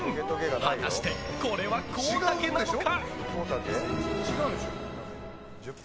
果たして、これはコウタケなのか。